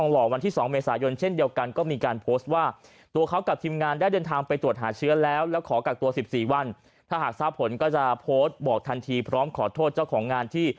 แล้วขอกากตัว๑๔วันถ้าหากทราบผลก็จะโพสต์บอกทันทีพร้อมขอโทษเจ้าของงานที่